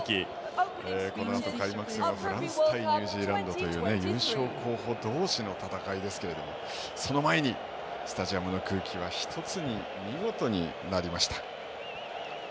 このあとの開幕戦フランス対ニュージーランドで優勝候補同士の戦いですがその前にスタジアムの空気が見事に１つになりました。